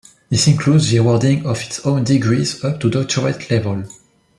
This includes the awarding of its own degrees up to doctorate level.